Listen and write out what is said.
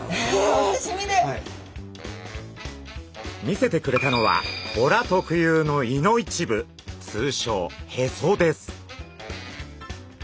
見せてくれたのはボラ特有の胃の一部つうしょうヘソです。